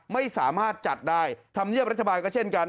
ไม่สามารถจัดได้ธรรมเนียบรัฐบาลก็เช่นกัน